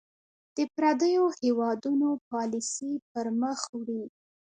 د پرديـو هېـوادونـو پالسـي پـر مــخ وړي .